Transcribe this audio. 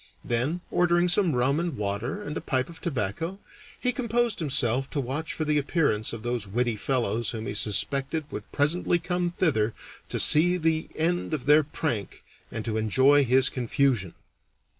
Then, ordering some rum and water and a pipe of tobacco, he composed himself to watch for the appearance of those witty fellows whom he suspected would presently come thither to see the end of their prank and to enjoy his confusion.